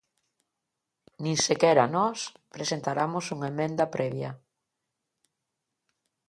Nin sequera nós presentaramos unha emenda previa.